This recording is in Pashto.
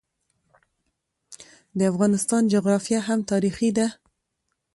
د افغانستان جغرافیه هم تاریخي ده.